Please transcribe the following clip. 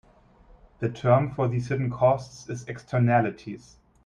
The term for these hidden costs is "Externalities".